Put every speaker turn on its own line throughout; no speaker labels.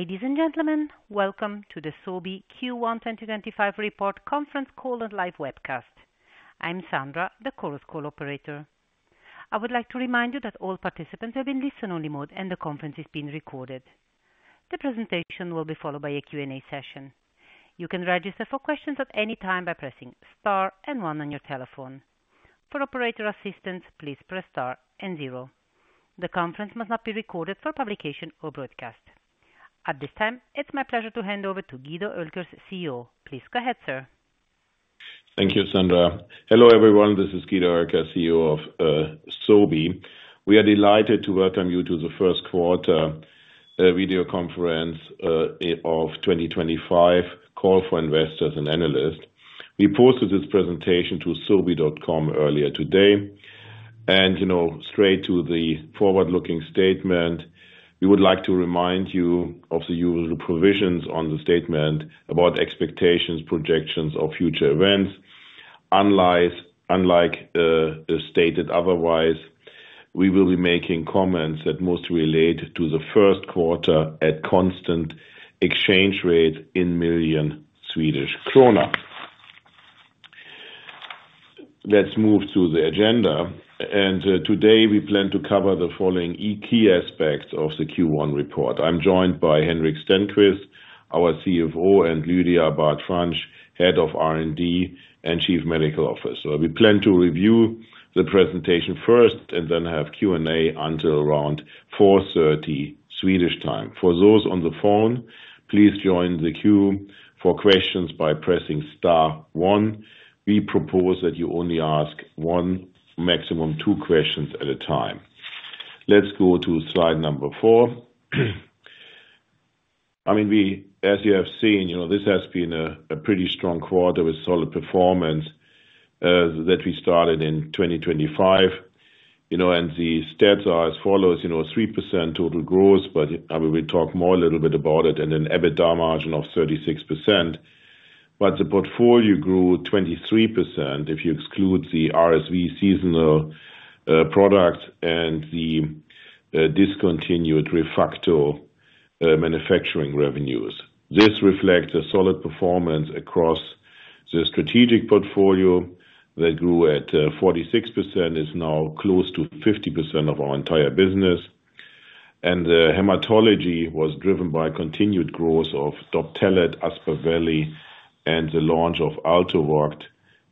Ladies and gentlemen, welcome to the Sobi Q1 2025 Report Conference Call and Live Webcast. I'm Sandra, the Chorus Call Operator. I would like to remind you that all participants are in listen-only mode and the conference is being recorded. The presentation will be followed by a Q&A session. You can register for questions at any time by pressing star and one on your telephone. For operator assistance, please press star and zero. The conference must not be recorded for publication or broadcast. At this time, it's my pleasure to hand over to Guido Oelkers, CEO. Please go ahead, sir.
Thank you, Sandra. Hello everyone, this is Guido Oelkers, CEO of Sobi. We are delighted to welcome you to the first quarter video conference of 2025, call for investors and analysts. We posted this presentation to sobi.com earlier today. Straight to the forward-looking statement, we would like to remind you of the usual provisions on the statement about expectations, projections, or future events. Unless stated otherwise, we will be making comments that mostly relate to the first quarter at constant exchange rate in million SEK. Let's move to the agenda. Today we plan to cover the following key aspects of the Q1 report. I'm joined by Henrik Stenqvist, our CFO, and Lydia Abad-Franch, Head of R&D and Chief Medical Officer. We plan to review the presentation first and then have Q&A until around 4:30PM Swedish time. For those on the phone, please join the queue for questions by pressing star one. We propose that you only ask one, maximum two questions at a time. Let's go to slide number four. I mean, as you have seen, this has been a pretty strong quarter with solid performance that we started in 2025. The stats are as follows: 3% total growth, we will talk more a little bit about it, and an EBITDA margin of 36%. The portfolio grew 23% if you exclude the RSV seasonal products and the discontinued ReFacto manufacturing revenues. This reflects a solid performance across the strategic portfolio that grew at 46%, is now close to 50% of our entire business. The hematology was driven by continued growth of Doptelet, Aspaveli, and the launch of ALTUVOCT,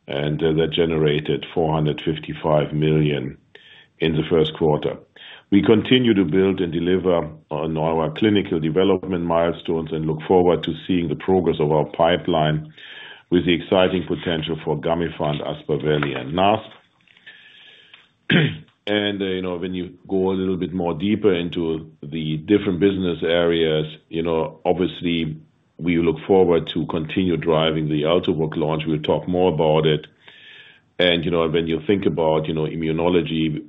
and that generated 455 million in the first quarter. We continue to build and deliver on our clinical development milestones and look forward to seeing the progress of our pipeline with the exciting potential for Gamifant, Aspaveli, and NASP. When you go a little bit more deeper into the different business areas, obviously, we look forward to continue driving the ALTUVOCT launch. We'll talk more about it. When you think about immunology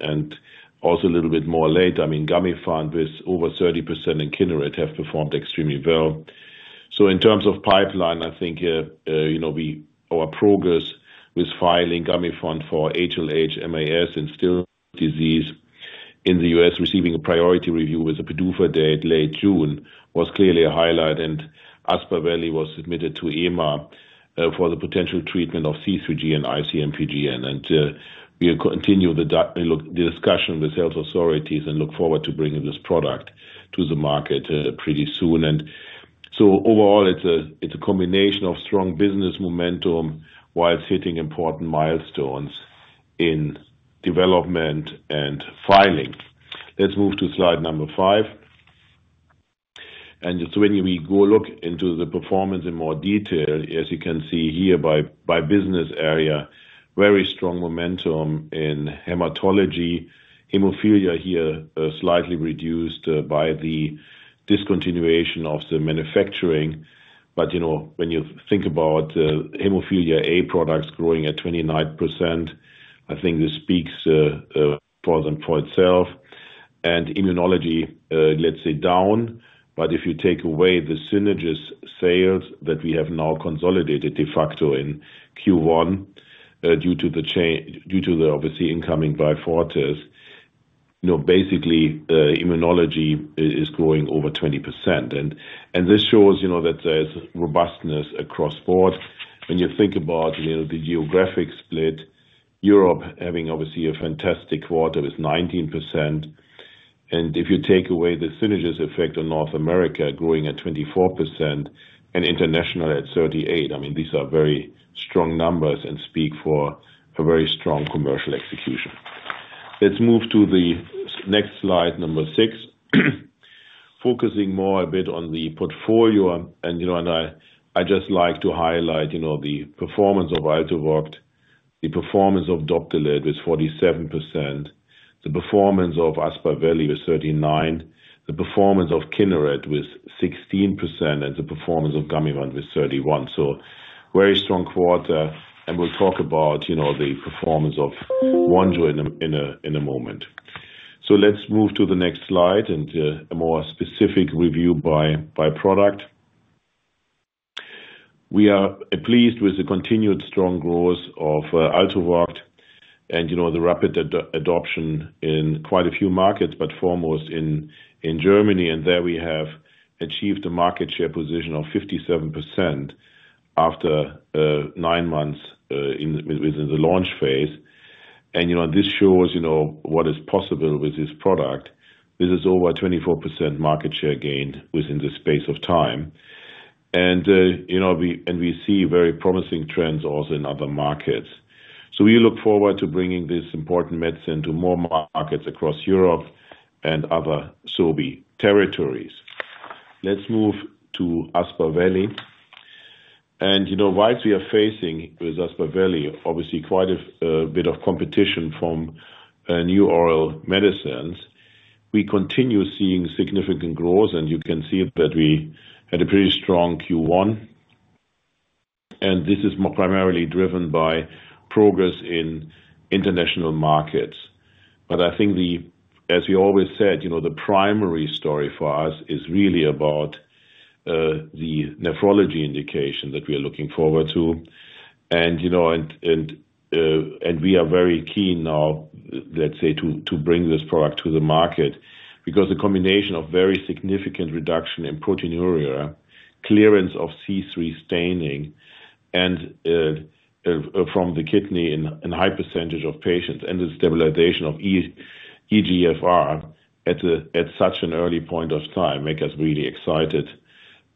and also a little bit more later, I mean, Gamifant with over 30% in Kineret have performed extremely well. In terms of pipeline, I think our progress with filing Gamifant for HLH, MAS, and Still's disease in the U.S. receiving a priority review with the PDUFA date late June was clearly a highlight. Aspaveli was submitted to EMA for the potential treatment of C3G and IC-MPGN. We will continue the discussion with health authorities and look forward to bringing this product to the market pretty soon. Overall, it is a combination of strong business momentum while hitting important milestones in development and filing. Let's move to slide number five. When we look into the performance in more detail, as you can see here by business area, very strong momentum in hematology. Hemophilia here is slightly reduced by the discontinuation of the manufacturing. When you think about hemophilia A products growing at 29%, I think this speaks for itself. Immunology is, let's say, down. If you take away the Synagis sales that we have now consolidated de facto in Q1 due to the obviously incoming Beyfortus, basically immunology is growing over 20%. This shows that there is robustness across the board. When you think about the geographic split, Europe having obviously a fantastic quarter with 19%. And if you take away the Synagis effect on North America growing at 24% and international at 38, I mean, these are very strong numbers and speak for a very strong commercial execution. Let's move to the next slide, number six, focusing more a bit on the portfolio. And I just like to highlight the performance of ALTUVOCT, the performance of Doptelet with 47%, the performance of Aspaveli with 39, the performance of Kineret with 16%, and the performance of Gamifant with 31. So very strong quarter. And we'll talk about the performance of Vonjo in a moment. Let's move to the next slide and a more specific review by product. We are pleased with the continued strong growth of ALTUVOCT and the rapid adoption in quite a few markets, but foremost in Germany. There we have achieved a market share position of 57% after nine months within the launch phase. This shows what is possible with this product. This is over 24% market share gain within the space of time. We see very promising trends also in other markets. We look forward to bringing this important medicine to more markets across Europe and other Sobi territories. Let's move to Aspaveli. Whilst we are facing with Aspaveli, obviously quite a bit of competition from new oral medicines, we continue seeing significant growth. You can see that we had a pretty strong Q1. This is primarily driven by progress in international markets. I think, as we always said, the primary story for us is really about the nephrology indication that we are looking forward to. We are very keen now, let's say, to bring this product to the market because the combination of very significant reduction in proteinuria, clearance of C3 staining, and from the kidney in high percentage of patients, and the stabilization of EGFR at such an early point of time make us really excited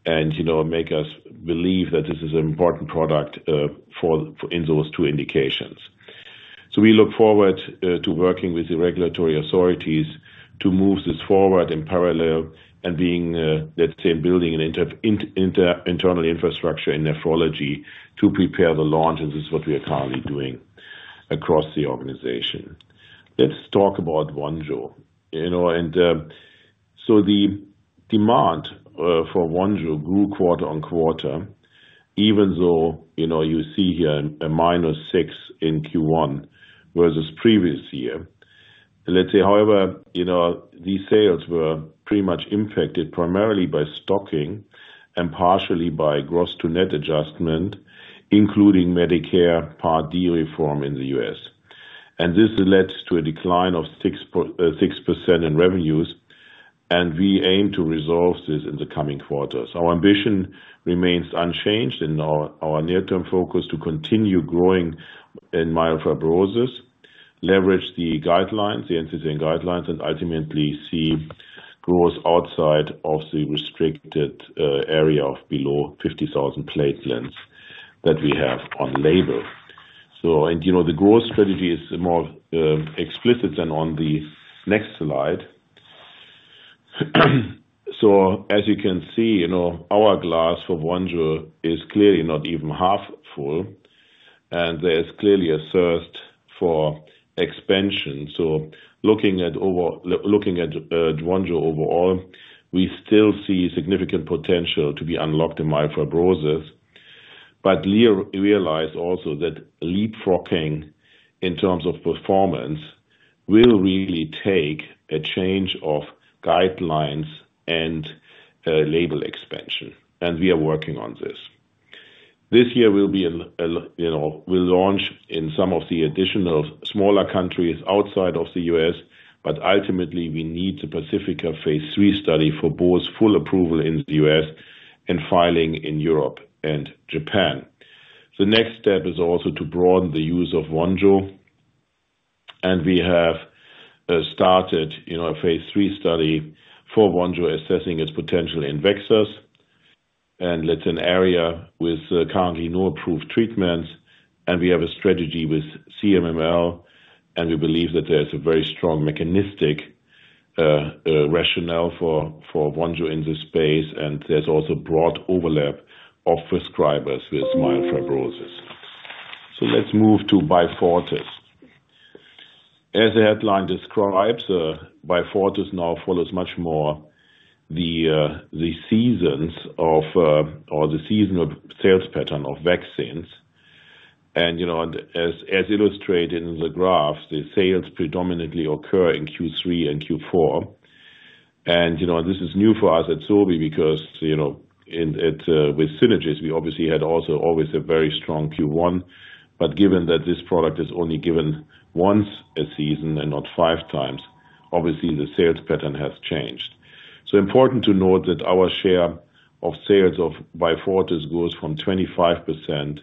and make us believe that this is an important product in those two indications. We look forward to working with the regulatory authorities to move this forward in parallel and being, let's say, building an internal infrastructure in nephrology to prepare the launch. This is what we are currently doing across the organization. Let's talk about Vonjo. The demand for Vonjo grew quarter on quarter, even though you see here a minus 6 in Q1 versus previous year. Let's say, however, these sales were pretty much impacted primarily by stocking and partially by gross-to-net adjustment, including Medicare Part D reform in the U.S. This led to a decline of 6% in revenues. We aim to resolve this in the coming quarters. Our ambition remains unchanged in our near-term focus to continue growing in myofibrosis, leverage the NCCN guidelines, and ultimately see growth outside of the restricted area of below 50,000 platelets that we have on label. The growth strategy is more explicit than on the next slide. As you can see, our glass for Vonjo is clearly not even half full. There is clearly a thirst for expansion. Looking at Vonjo overall, we still see significant potential to be unlocked in myofibrosis. Realize also that leapfrogging in terms of performance will really take a change of guidelines and label expansion. We are working on this. This year, we'll launch in some of the additional smaller countries outside of the U.S. Ultimately, we need the Pacifica phase III study for both full approval in the U.S. and filing in Europe and Japan. The next step is also to broaden the use of Vonjo. We have started a phase III study for Vonjo assessing its potential in VEXAS. That's an area with currently no approved treatments. We have a strategy with CMML. We believe that there's a very strong mechanistic rationale for Vonjo in this space. There's also broad overlap of prescribers with myofibrosis. Let's move to Beyfortus. As the headline describes, Beyfortus now follows much more the seasons of or the seasonal sales pattern of vaccines. As illustrated in the graph, the sales predominantly occur in Q3 and Q4. This is new for us at Sobi because with Synagis, we obviously had also always a very strong Q1. Given that this product is only given once a season and not five times, the sales pattern has changed. It is important to note that our share of sales of Beyfortus goes from 25%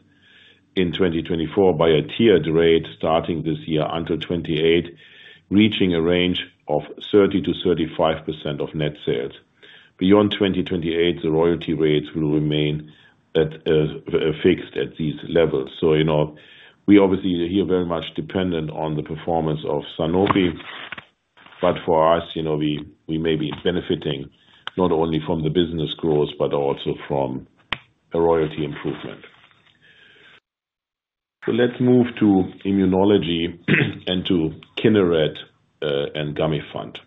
in 2024 by a tiered rate starting this year until 2028, reaching a range of 30%-35% of net sales. Beyond 2028, the royalty rates will remain fixed at these levels. We are very much dependent on the performance of Sanofi. For us, we may be benefiting not only from the business growth, but also from a royalty improvement. Let's move to immunology and to Kineret and Gamifant.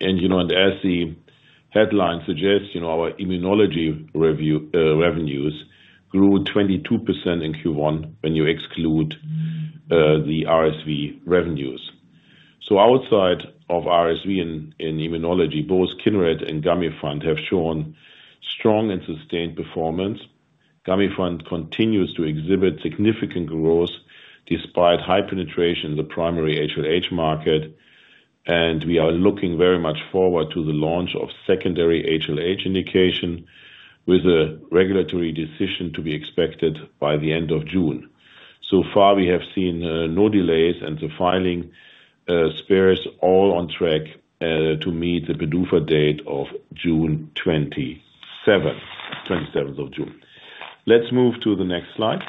As the headline suggests, our immunology revenues grew 22% in Q1 when you exclude the RSV revenues. Outside of RSV and immunology, both Kineret and Gamifant have shown strong and sustained performance. Gamifant continues to exhibit significant growth despite high penetration in the primary HLH market. We are looking very much forward to the launch of secondary HLH indication with a regulatory decision to be expected by the end of June. So far, we have seen no delays, and the filing is all on track to meet the PDUFA date of June 27. Let's move to the next slide.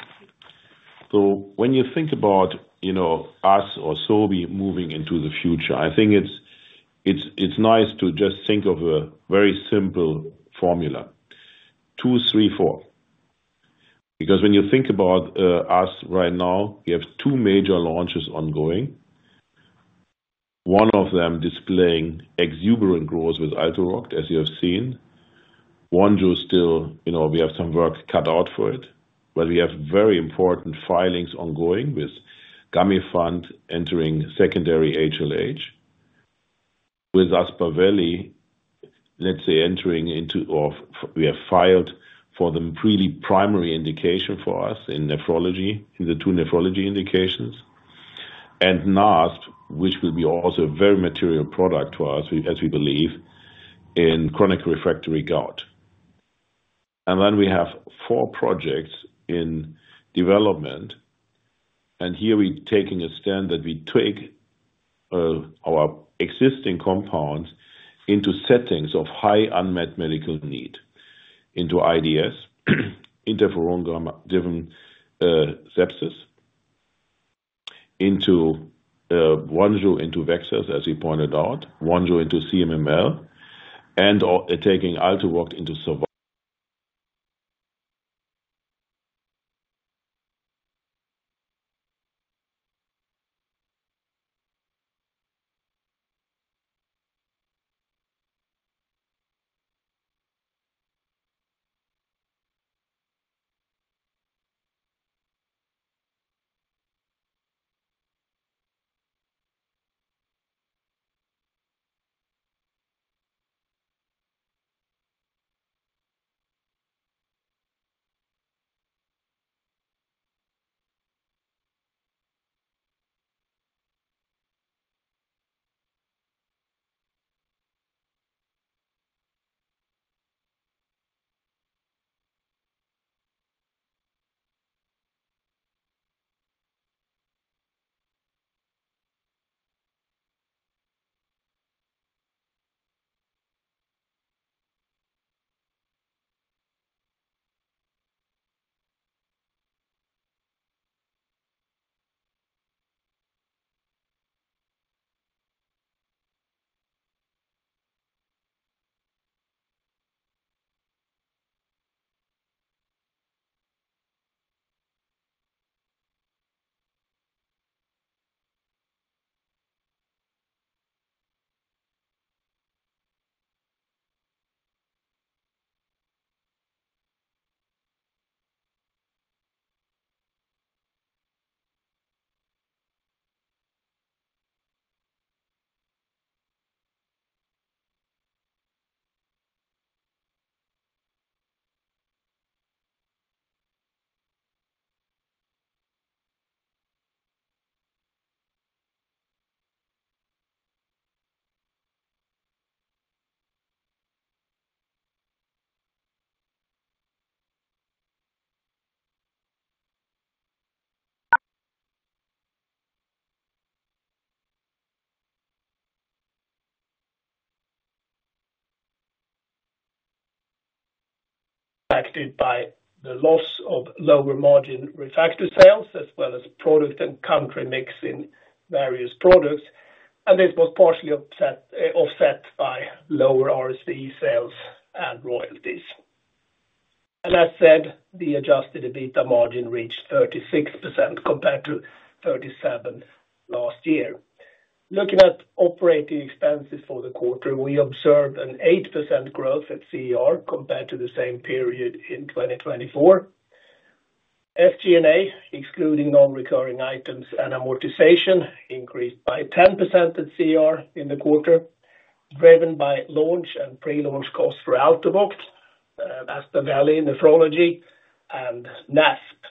When you think about us or Sobi moving into the future, I think it's nice to just think of a very simple formula: two, three, four. Because when you think about us right now, we have two major launches ongoing. One of them displaying exuberant growth with ALTUVOCT, as you have seen. Vonjo still, we have some work cut out for it. We have very important filings ongoing with Gamifant entering secondary HLH, with Aspaveli, let's say, entering into or we have filed for the really primary indication for us in nephrology, in the two nephrology indications. NASP, which will be also a very material product for us, as we believe, in chronic refractory gout. We have four projects in development. Here we're taking a standard. We take our existing compounds into settings of high unmet medical need into IDS, interferon-derived sepsis, into Vonjo, into VEXAS, as we pointed out, Vonjo into CMML, and taking ALTUVOCT into
affected by the loss of lower margin ReFacto sales, as well as product and country mix in various products. This was partially offset by lower RSV sales and royalties. As said, the Adjusted EBITDA margin reached 36% compared to 37% last year. Looking at operating expenses for the quarter, we observed an 8% growth at CER compared to the same period in 2024. FG&A, excluding non-recurring items and amortization, increased by 10% at CER in the quarter, driven by launch and pre-launch costs for ALTUVOCT, Aspaveli, Nephrology, and NASP.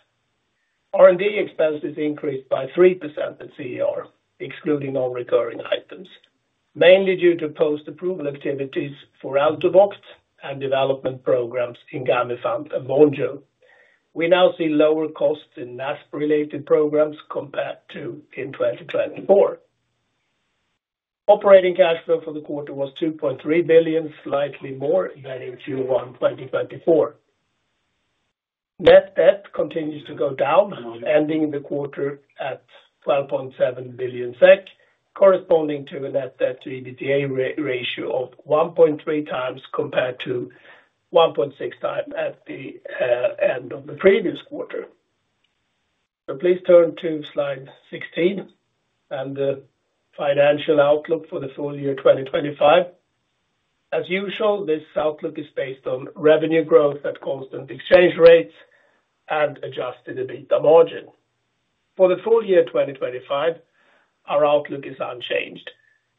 R&D expenses increased by 3% at CER, excluding non-recurring items, mainly due to post-approval activities for ALTUVOCT and development programs in Gamifant and Vonjo. We now see lower costs in NASP-related programs compared to in 2024. Operating cash flow for the quarter was 2.3 billion, slightly more than in Q1 2024. Net debt continues to go down, ending the quarter at 12.7 billion SEK, corresponding to a net debt-to-EBITDA ratio of 1.3 times compared to 1.6 times at the end of the previous quarter. Please turn to slide 16 and the financial outlook for the full year 2025. As usual, this outlook is based on revenue growth at constant exchange rates and Adjusted EBITDA margin. For the full year 2025, our outlook is unchanged.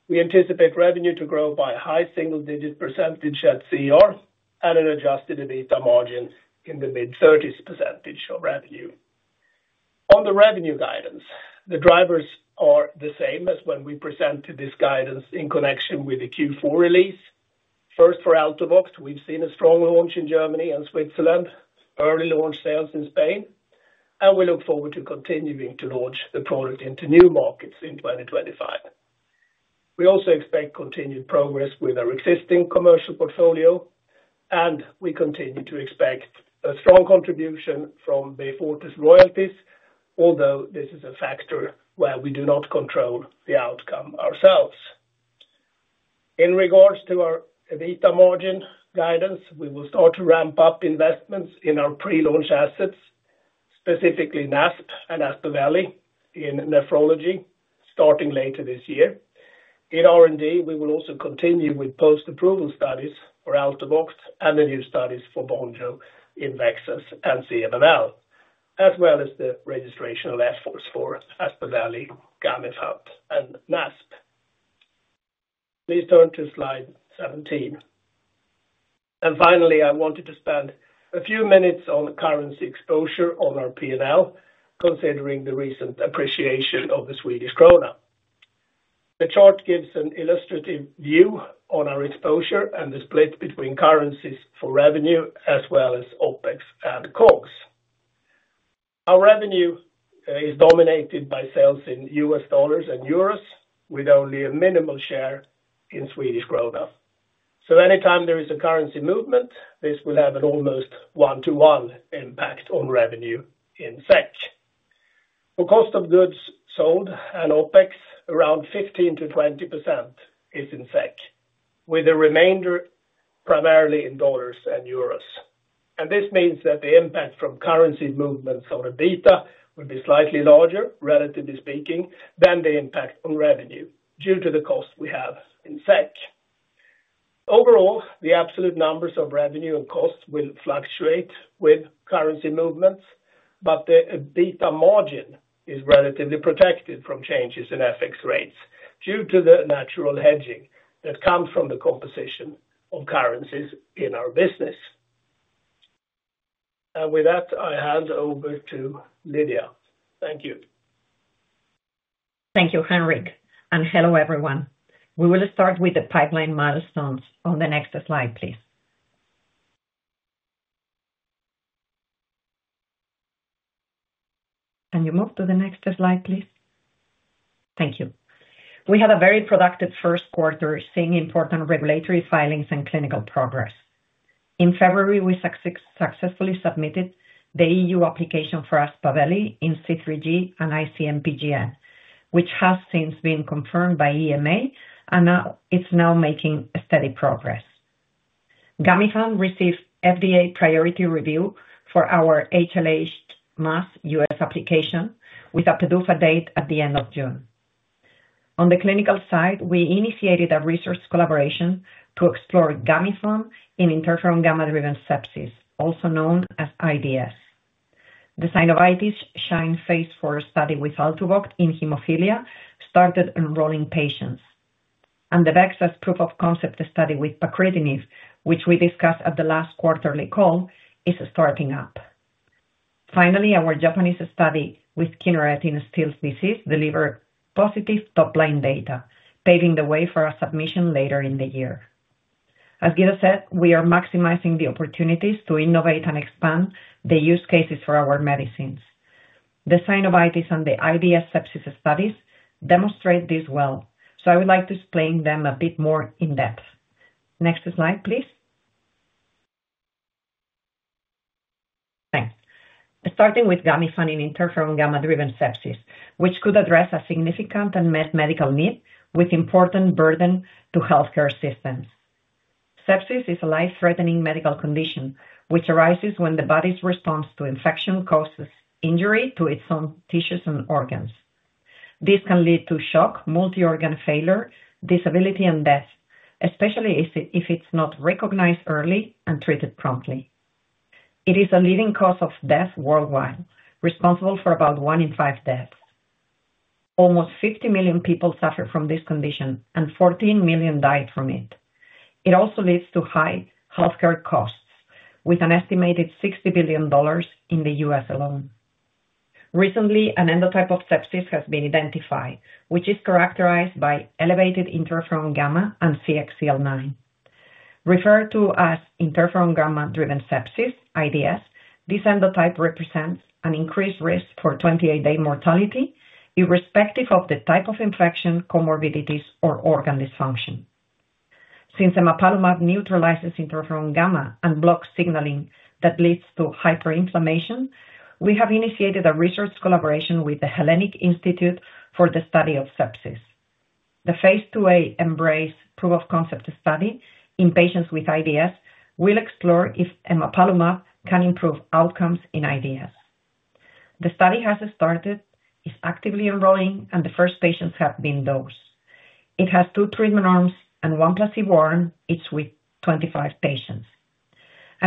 We anticipate revenue to grow by a high single-digit percentage at CER and an Adjusted EBITDA margin in the mid-30s % of revenue. On the revenue guidance, the drivers are the same as when we presented this guidance in connection with the Q4 release. First, for ALTUVOCT, we've seen a strong launch in Germany and Switzerland, early launch sales in Spain. We look forward to continuing to launch the product into new markets in 2025. We also expect continued progress with our existing commercial portfolio. We continue to expect a strong contribution from Beyfortus royalties, although this is a factor where we do not control the outcome ourselves. In regards to our EBITDA margin guidance, we will start to ramp up investments in our pre-launch assets, specifically NASP and Aspaveli in nephrology, starting later this year. In R&D, we will also continue with post-approval studies for ALTUVOCT and the new studies for Vonjo in VEXAS and CMML, as well as the registration of efforts for Aspaveli, Gamifant, and NASP. Please turn to slide 17. Finally, I wanted to spend a few minutes on currency exposure on our P&L, considering the recent appreciation of the Swedish krona. The chart gives an illustrative view on our exposure and the split between currencies for revenue, as well as OpEx and COGS. Our revenue is dominated by sales in U.S. dollars and euros, with only a minimal share in Swedish krona. Anytime there is a currency movement, this will have an almost one-to-one impact on revenue in SEK. For cost of goods sold and OpEx, around 15%-20% is in SEK, with the remainder primarily in dollars and euros. This means that the impact from currency movements on EBITDA will be slightly larger, relatively speaking, than the impact on revenue due to the cost we have in SEK. Overall, the absolute numbers of revenue and costs will fluctuate with currency movements, but the EBITDA margin is relatively protected from changes in FX rates due to the natural hedging that comes from the composition of currencies in our business. With that, I hand over to Lydia. Thank you.
Thank you, Henrik. Hello, everyone. We will start with the pipeline milestones on the next slide, please. Can you move to the next slide, please? Thank you. We had a very productive first quarter, seeing important regulatory filings and clinical progress. In February, we successfully submitted the EU application for Aspaveli in C3G and IC-MPGN, which has since been confirmed by EMA, and it's now making steady progress. Gamifant received FDA priority review for our HLH MAS U.S. application with a PDUFA date at the end of June. On the clinical side, we initiated a research collaboration to explore Gamifant in interferon-gamma-driven sepsis, also known as IDS. The synovitis SHINE Phase IV study with ALTUVOCT in hemophilia started enrolling patients. The VEXAS proof-of-concept study with pacritinib, which we discussed at the last quarterly call, is starting up. Finally, our Japanese study with Kineret in Still's disease delivered positive top-line data, paving the way for a submission later in the year. As Guido said, we are maximizing the opportunities to innovate and expand the use cases for our medicines. The synovitis and the IDS sepsis studies demonstrate this well, so I would like to explain them a bit more in depth. Next slide, please. Thanks. Starting with Gamifant in interferon-gamma-driven sepsis, which could address a significant unmet medical need with important burden to healthcare systems. Sepsis is a life-threatening medical condition, which arises when the body's response to infection causes injury to its own tissues and organs. This can lead to shock, multi-organ failure, disability, and death, especially if it's not recognized early and treated promptly. It is a leading cause of death worldwide, responsible for about one in five deaths. Almost 50 million people suffer from this condition, and 14 million die from it. It also leads to high healthcare costs, with an estimated $60 billion in the U.S. alone. Recently, an endotype of sepsis has been identified, which is characterized by elevated interferon gamma and CXCL9. Referred to as interferon-gamma-driven sepsis, IDS, this endotype represents an increased risk for 28-day mortality, irrespective of the type of infection, comorbidities, or organ dysfunction. Since emapalumab neutralizes interferon gamma and blocks signaling that leads to hyperinflammation, we have initiated a research collaboration with the Hellenic Institute for the Study of Sepsis. The phase II-A Embrace proof-of-concept study in patients with IDS will explore if emapalumab can improve outcomes in IDS. The study has started, is actively enrolling, and the first patients have been dosed. It has two treatment arms and one placebo, each with 25 patients.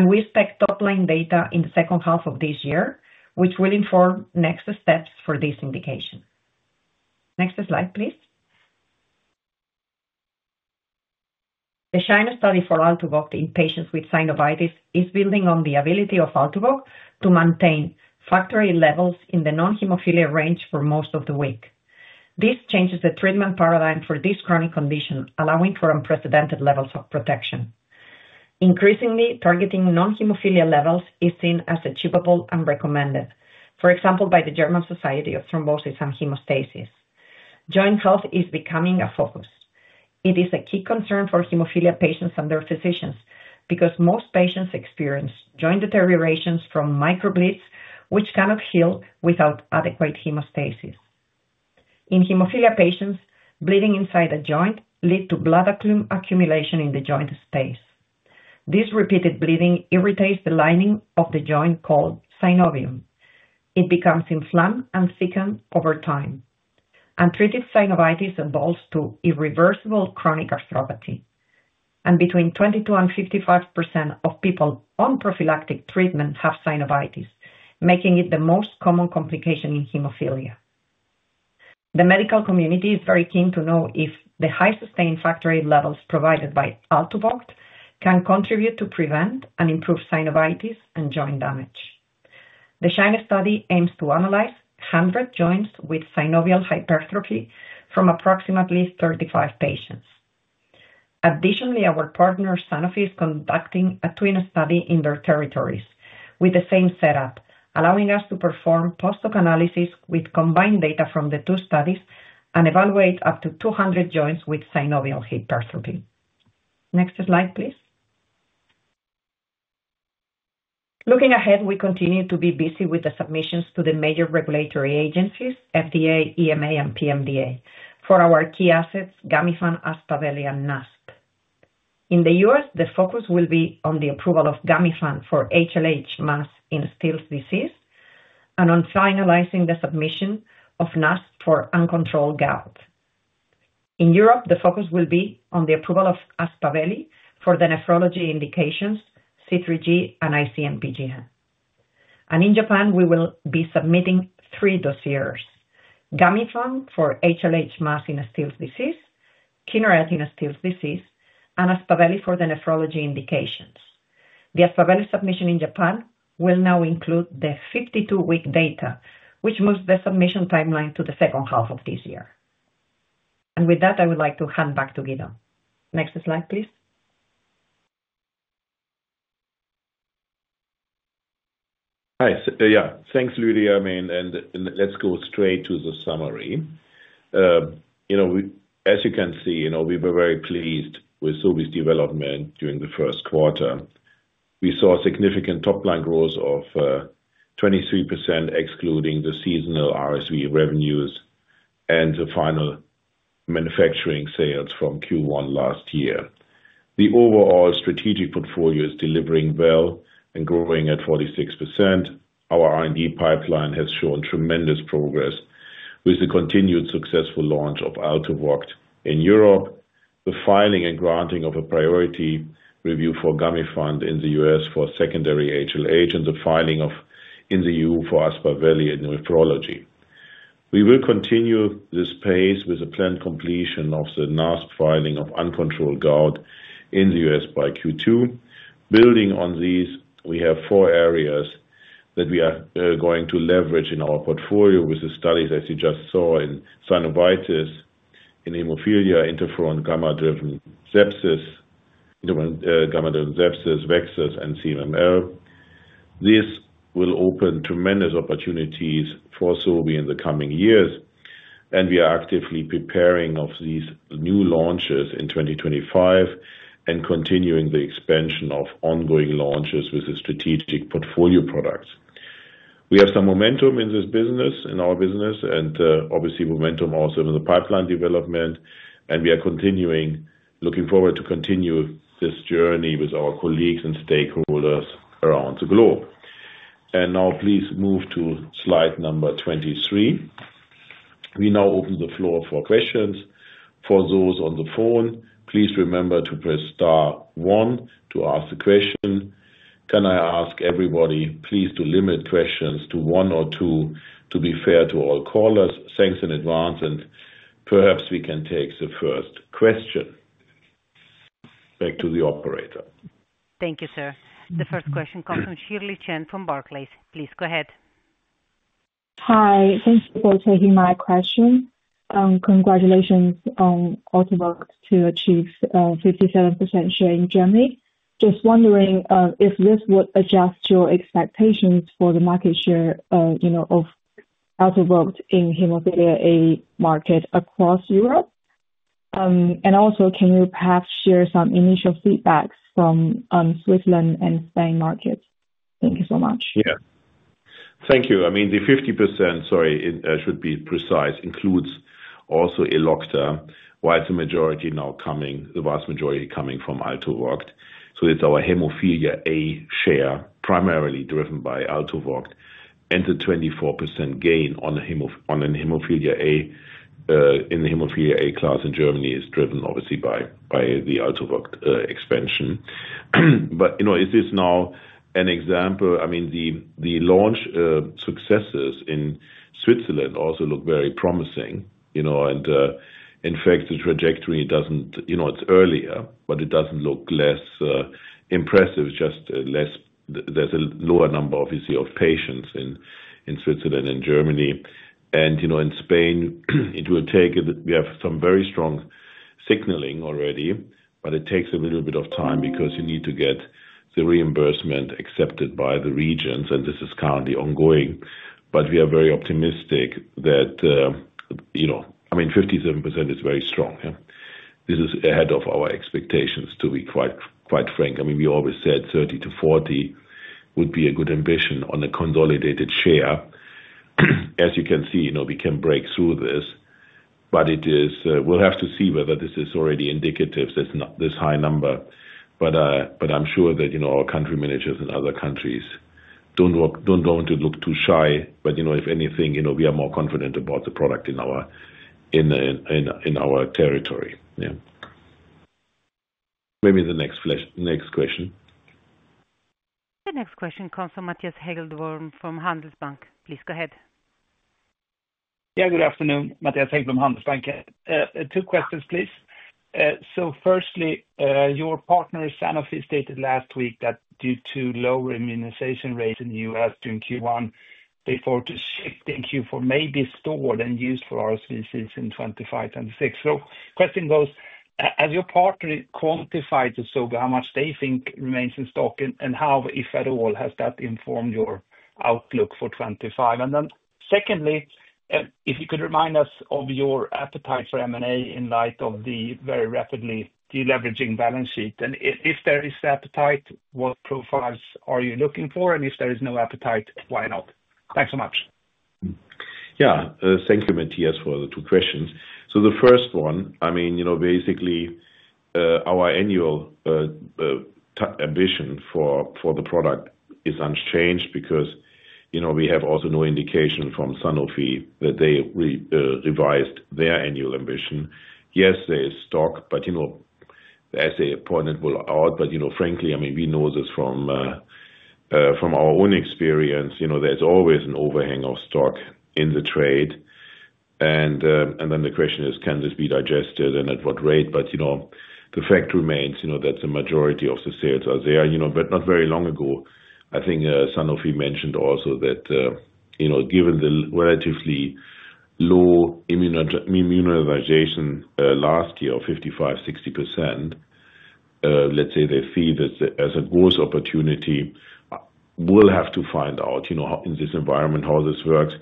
We expect top-line data in the second half of this year, which will inform next steps for this indication. Next slide, please. The SHINE study for ALTUVOCT in patients with synovitis is building on the ability of ALTUVOCT to maintain factor VIII levels in the non-hemophilia range for most of the week. This changes the treatment paradigm for this chronic condition, allowing for unprecedented levels of protection. Increasingly, targeting non-hemophilia levels is seen as achievable and recommended, for example, by the German Society of Thrombosis and Hemostasis. Joint health is becoming a focus. It is a key concern for hemophilia patients and their physicians because most patients experience joint deteriorations from microbleeds, which cannot heal without adequate hemostasis. In hemophilia patients, bleeding inside the joint leads to blood accumulation in the joint space. This repeated bleeding irritates the lining of the joint called synovium. It becomes inflamed and thickened over time. Untreated synovitis evolves to irreversible chronic arthropathy. Between 22% and 55% of people on prophylactic treatment have synovitis, making it the most common complication in hemophilia. The medical community is very keen to know if the high sustained factor VIII levels provided by ALTUVOCT can contribute to prevent and improve synovitis and joint damage. The SHINE study aims to analyze 100 joints with synovial hypertrophy from approximately 35 patients. Additionally, our partner Sanofi is conducting a twin study in their territories with the same setup, allowing us to perform post-op analysis with combined data from the two studies and evaluate up to 200 joints with synovial hypertrophy. Next slide, please. Looking ahead, we continue to be busy with the submissions to the major regulatory agencies, FDA, EMA, and PMDA, for our key assets, Gamifant, Aspaveli, and NASP. In the U.S., the focus will be on the approval of Gamifant for HLH MAS in Still's disease and on finalizing the submission of NASP for uncontrolled gout. In Europe, the focus will be on the approval of Aspaveli for the nephrology indications, C3G and IC-MPGN. In Japan, we will be submitting three dose years: Gamifant for HLH MAS in Still's disease, Kineret in Still's disease, and Aspaveli for the nephrology indications. The Aspaveli submission in Japan will now include the 52-week data, which moves the submission timeline to the second half of this year. With that, I would like to hand back to Guido. Next slide, please.
Hi. Yeah, thanks, Lydia. I mean, and let's go straight to the summary. You know, as you can see, you know, we were very pleased with Sobi's development during the first quarter. We saw significant top-line growth of 23%, excluding the seasonal RSV revenues and the final manufacturing sales from Q1 last year. The overall strategic portfolio is delivering well and growing at 46%. Our R&D pipeline has shown tremendous progress with the continued successful launch of ALTUVOCT in Europe, the filing and granting of a priority review for Gamifant in the U.S. for secondary HLH, and the filing in the EU for Aspaveli in nephrology. We will continue this pace with the planned completion of the NASP filing of uncontrolled gout in the U.S. by Q2. Building on these, we have four areas that we are going to leverage in our portfolio with the studies that you just saw in synovitis, in hemophilia, interferon-gamma-driven sepsis, VEXAS, and CMML. This will open tremendous opportunities for Sobi in the coming years. We are actively preparing for these new launches in 2025 and continuing the expansion of ongoing launches with the strategic portfolio products. We have some momentum in this business, in our business, and obviously momentum also in the pipeline development. We are continuing, looking forward to continue this journey with our colleagues and stakeholders around the globe. Please move to slide number 23. We now open the floor for questions. For those on the phone, please remember to press star one to ask the question. Can I ask everybody, please, to limit questions to one or two to be fair to all callers? Thanks in advance. Perhaps we can take the first question. Back to the operator.
Thank you, sir. The first question comes from Shirley Chen from Barclays. Please go ahead.
Hi. Thank you for taking my question. Congratulations on ALTUVOCT to achieve a 57% share in Germany. Just wondering if this would adjust your expectations for the market share of ALTUVOCT in hemophilia A market across Europe. Also, can you perhaps share some initial feedback from Switzerland and Spain markets? Thank you so much.
Yeah. Thank you. I mean, the 50%, sorry, should be precise, includes also Elocta, while the majority now coming, the vast majority coming from ALTUVOCT. So it's our hemophilia A share, primarily driven by ALTUVOCT. And the 24% gain on a hemophilia A in the hemophilia A class in Germany is driven, obviously, by the ALTUVOCT expansion. Is this now an example? I mean, the launch successes in Switzerland also look very promising. In fact, the trajectory does not—it's earlier, but it does not look less impressive. It's just less—there's a lower number, obviously, of patients in Switzerland and Germany. In Spain, it will take—we have some very strong signaling already, but it takes a little bit of time because you need to get the reimbursement accepted by the regions. This is currently ongoing. We are very optimistic that, I mean, 57% is very strong. This is ahead of our expectations, to be quite frank. I mean, we always said 30-40% would be a good ambition on a consolidated share. As you can see, we can break through this. We will have to see whether this is already indicative, this high number. I am sure that our country managers in other countries do not want to look too shy. If anything, we are more confident about the product in our territory. Yeah. Maybe the next question.
The next question comes from Mattias Häggblom from Handelsbanken. Please go ahead. Yeah, good afternoon. Mattias Häggblom, Handelsbanken. Two questions, please. Firstly, your partner, Sanofi, stated last week that due to lower immunization rates in the U.S. during Q1, they thought shifting Q4 may be stored and used for RSV disease in 2025-2026. The question goes, has your partner quantified the Sobi, how much they think remains in stock, and how, if at all, has that informed your outlook for 2025? Secondly, if you could remind us of your appetite for M&A in light of the very rapidly deleveraging balance sheet. If there is appetite, what profiles are you looking for? If there is no appetite, why not? Thanks so much.
Thank you, Mattias, for the two questions. The first one, I mean, basically, our annual ambition for the product is unchanged because we have also no indication from Sanofi that they revised their annual ambition. Yes, there is stock, as they pointed out, but frankly, I mean, we know this from our own experience. There is always an overhang of stock in the trade. The question is, can this be digested and at what rate? The fact remains that the majority of the sales are there. Not very long ago, I think Sanofi mentioned also that given the relatively low immunization last year of 55%-60%, they feel there is a growth opportunity. We will have to find out in this environment how this works.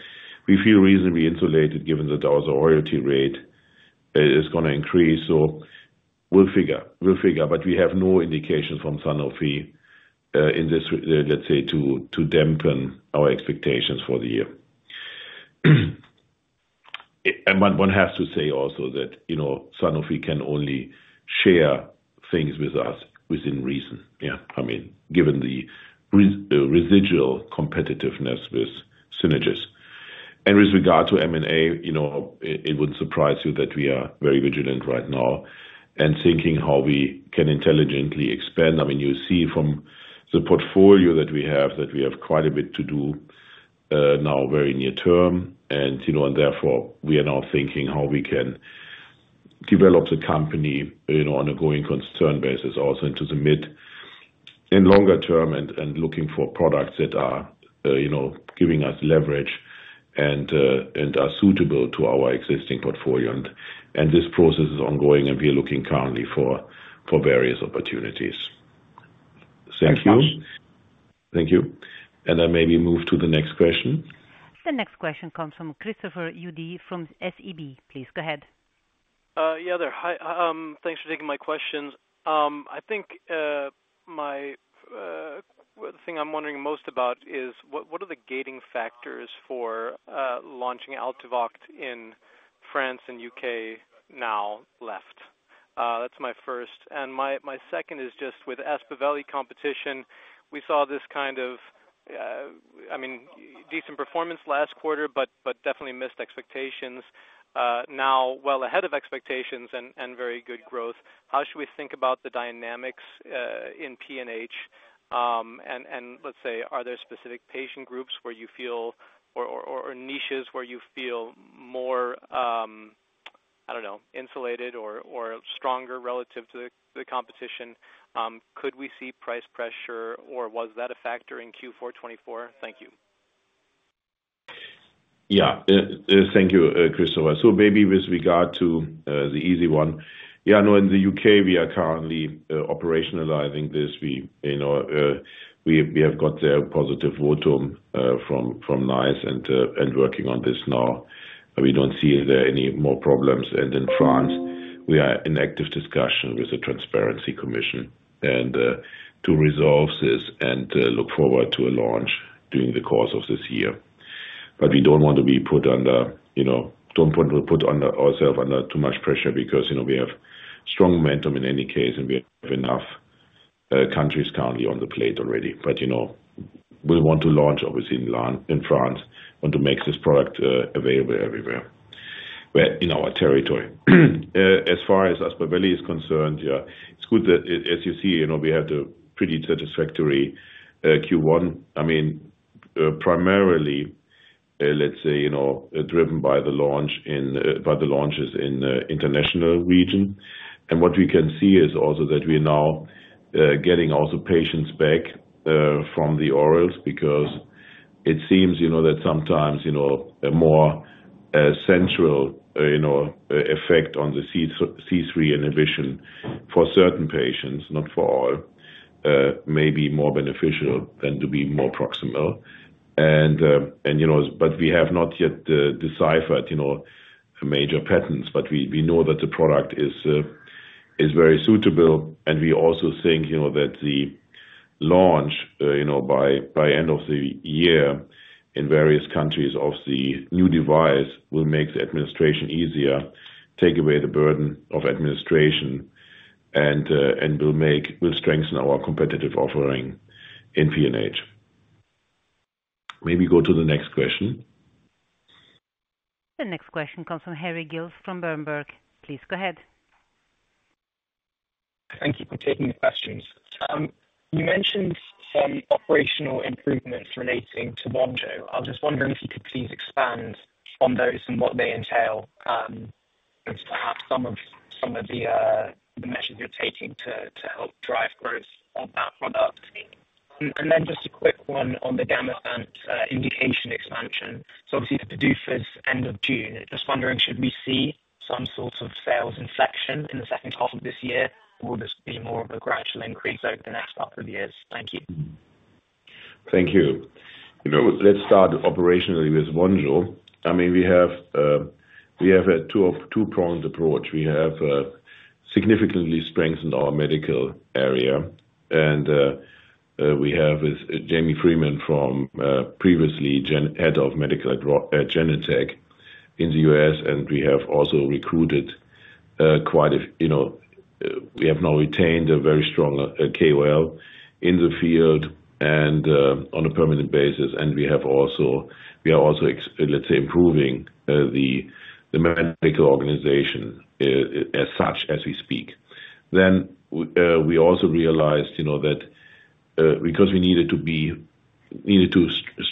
We feel reasonably insulated given that our royalty rate is going to increase. We will figure. We have no indication from Sanofi in this to dampen our expectations for the year. One has to say also that Sanofi can only share things with us within reason. I mean, given the residual competitiveness with Synagis. With regard to M&A, it would not surprise you that we are very vigilant right now and thinking how we can intelligently expand. I mean, you see from the portfolio that we have that we have quite a bit to do now very near term. Therefore, we are now thinking how we can develop the company on a going concern basis also into the mid and longer term and looking for products that are giving us leverage and are suitable to our existing portfolio. This process is ongoing, and we are looking currently for various opportunities. Thank you. Thank you. Maybe move to the next question.
The next question comes from Christopher Uhde from SEB. Please go ahead. Yeah, there. Thanks for taking my questions. I think the thing I'm wondering most about is what are the gating factors for launching ALTUVOCT in France and U.K. now left? That's my first. My second is just with Aspaveli competition, we saw this kind of, I mean, decent performance last quarter, but definitely missed expectations. Now, well ahead of expectations and very good growth. How should we think about the dynamics in PNH? Let's say, are there specific patient groups where you feel or niches where you feel more, I do not know, insulated or stronger relative to the competition? Could we see price pressure, or was that a factor in Q4 2024? Thank you.
Thank you, Christopher. Maybe with regard to the easy one, no, in the U.K., we are currently operationalizing this. We have got the positive votum from NICE and working on this now. We do not see there any more problems. In France, we are in active discussion with the Transparency Commission to resolve this and look forward to a launch during the course of this year. We do not want to put ourselves under too much pressure because we have strong momentum in any case, and we have enough countries currently on the plate already. We want to launch, obviously, in France and to make this product available everywhere in our territory. As far as Aspaveli is concerned, yeah, it is good that, as you see, we had a pretty satisfactory Q1. I mean, primarily, let's say, driven by the launches in the international region. What we can see is also that we are now getting also patients back from the orals because it seems that sometimes a more central effect on the C3 inhibition for certain patients, not for all, may be more beneficial than to be more proximal. We have not yet deciphered major patterns, but we know that the product is very suitable. We also think that the launch by end of the year in various countries of the new device will make the administration easier, take away the burden of administration, and will strengthen our competitive offering in PNH. Maybe go to the next question.
The next question comes from Harry Gillis from Berenberg. Please go ahead. Thank you for taking the questions. You mentioned some operational improvements relating to Vonjo. I was just wondering if you could please expand on those and what they entail and perhaps some of the measures you're taking to help drive growth of that product. Just a quick one on the Gamifant indication expansion. Obviously, the PDUFA's end of June. Just wondering, should we see some sort of sales inflection in the second half of this year, or will this be more of a gradual increase over the next couple of years? Thank you.
Thank you. Let's start operationally with Vonjo. I mean, we have a two-pronged approach. We have significantly strengthened our medical area. We have Jamie Freedman, previously head of medical at Genentech in the U.S. We have also recruited quite a—we have now retained a very strong KOL in the field and on a permanent basis. We are also, let's say, improving the medical organization as such as we speak. We also realized that because we needed to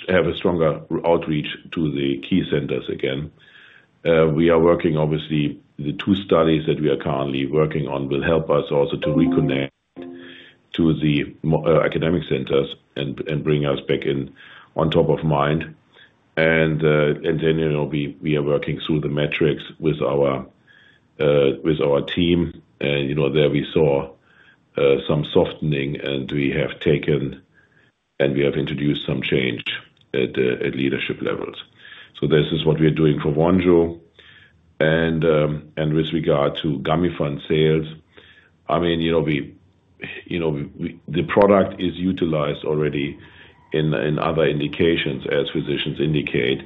have a stronger outreach to the key centers again, we are working, obviously, the two studies that we are currently working on will help us also to reconnect to the academic centers and bring us back on top of mind. We are working through the metrics with our team. There we saw some softening, and we have taken and we have introduced some change at leadership levels. This is what we are doing for Vonjo. With regard to Gamifant sales, I mean, the product is utilized already in other indications, as physicians indicate.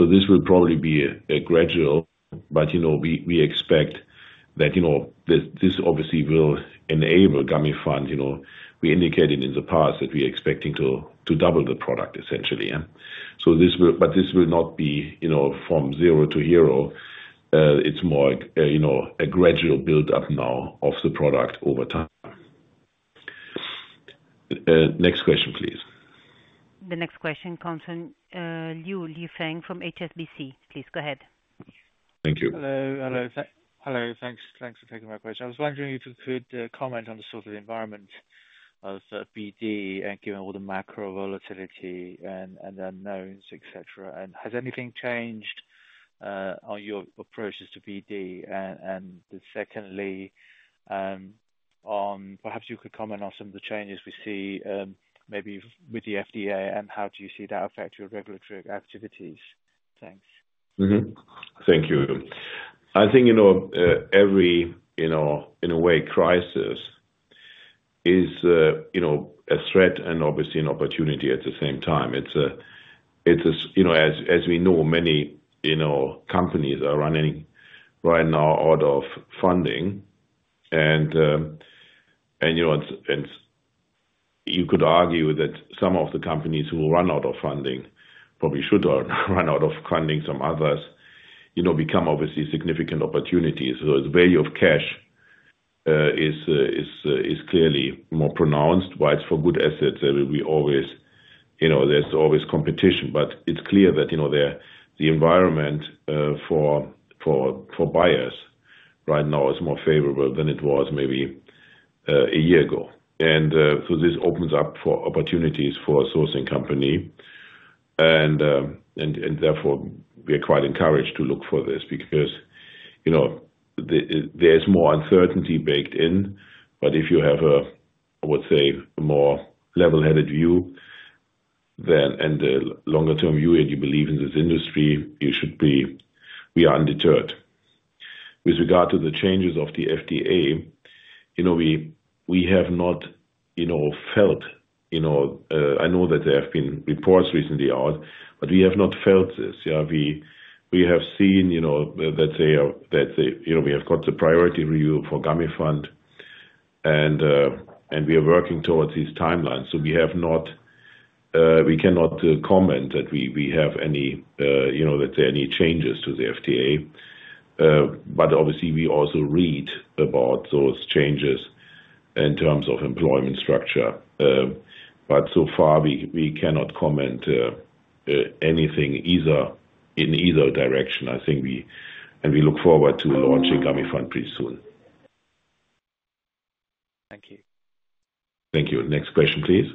This will probably be gradual, but we expect that this obviously will enable Gamifant. We indicated in the past that we are expecting to double the product, essentially. This will not be from zero to hero. It is more a gradual build-up now of the product over time. Next question, please.
The next question comes from Liu Yifeng from HSBC. Please go ahead.
Thank you.
Hello. Hello. Thanks for taking my question. I was wondering if you could comment on the sort of environment of BD and given all the macro volatility and unknowns, etc. Has anything changed on your approaches to BD? Secondly, perhaps you could comment on some of the changes we see maybe with the FDA, and how do you see that affect your regulatory activities? Thanks.
Thank you. I think every, in a way, crisis is a threat and obviously an opportunity at the same time. As we know, many companies are running right now out of funding. You could argue that some of the companies who run out of funding probably should run out of funding. Some others become obviously significant opportunities. The value of cash is clearly more pronounced. Why? It's for good assets. There's always competition. It is clear that the environment for buyers right now is more favorable than it was maybe a year ago. This opens up for opportunities for a sourcing company. Therefore, we are quite encouraged to look for this because there's more uncertainty baked in. If you have a, I would say, more level-headed view and a longer-term view, and you believe in this industry, you should be undeterred. With regard to the changes of the FDA, we have not felt, I know that there have been reports recently out, but we have not felt this. We have seen, let's say, that we have got the priority review for Gamifant, and we are working towards these timelines. We cannot comment that we have any, let's say, any changes to the FDA. Obviously, we also read about those changes in terms of employment structure. So far, we cannot comment anything in either direction. I think we—and we look forward to launching Gamifant pretty soon.
Thank you.
Thank you. Next question, please.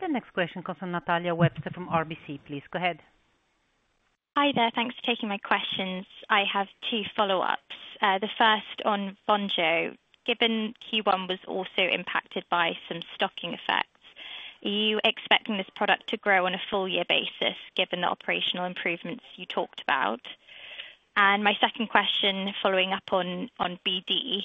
The next question comes from Natalia Webster from RBC. Please go ahead. Hi there. Thanks for taking my questions. I have two follow-ups. The first on Vonjo. Given Q1 was also impacted by some stocking effects, are you expecting this product to grow on a full-year basis given the operational improvements you talked about? My second question, following up on BD,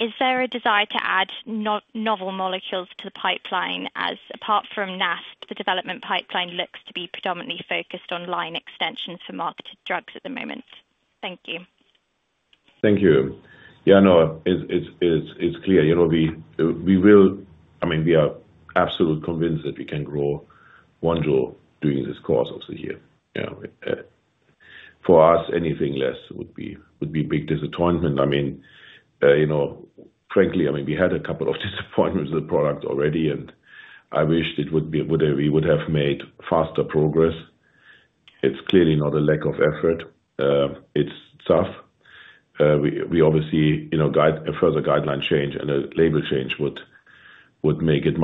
is there a desire to add novel molecules to the pipeline as, apart from NASP, the development pipeline looks to be predominantly focused on line extensions for marketed drugs at the moment? Thank you.
Thank you. Yeah, no, it's clear. I mean, we are absolutely convinced that we can grow Vonjo during this course of the year. For us, anything less would be a big disappointment. I mean, frankly, I mean, we had a couple of disappointments with the product already, and I wish we would have made faster progress. It's clearly not a lack of effort. It's tough. We obviously, a further guideline change and a label change would make it.